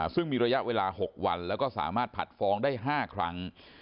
ซึ่งมีระยะเวลา๖วันแล้วก็สามารถผัดฟ้องได้๕ครั้ง